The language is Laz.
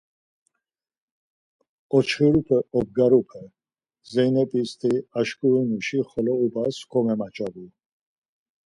Oçxirupe, obgarupe… Zeynebisti aşkurinuşi xolo ubas komemaç̌abu.